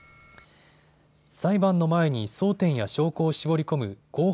裁判の前に争点や証拠を絞り込む公判